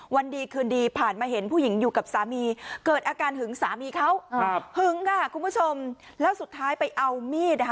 วันดีคืนดีผ่านมาเห็นผู้หญิงอยู่กับสามีเกิดอาการหึงสามีเขาหึงค่ะคุณผู้ชมแล้วสุดท้ายไปเอามีดนะคะ